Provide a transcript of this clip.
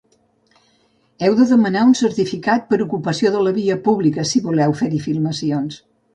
Heu de demanar un certificat per ocupació de la via pública si voleu fer-hi filmacions.